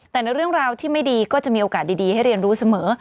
แต่ในเรื่องราวที่ไม่ดีก็จะมีโอกาสดีให้เรียนรู้เสมอ